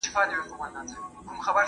خپل کور تل په روښانه ډول وساتئ.